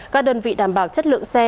các đơn vị đảm bảo chất lượng xe